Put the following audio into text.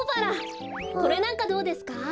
これなんかどうですか？